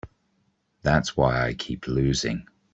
That's why I keep losing.